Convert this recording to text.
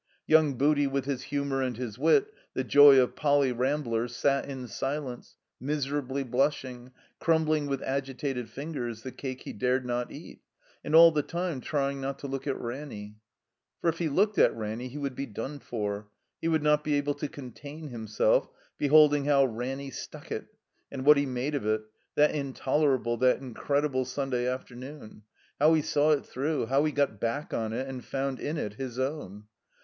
Yotmg Booty, with his humor and his wit, the joy of Poly. Ramblers, sat in silence, miserably blushing, crumbling with agitated fingers the cake he dared not eat, and all the time trying not to look at Ranny. For if he looked at Ranny he would be done for; he would not be able to contain himself, beholding how' Ranny stuck it, and what he made of it, that intolerable, that incredible Stmday afternoon;, how he saw it through ; how he got back on it and found S3 THE COMBINED MAZE in it his own.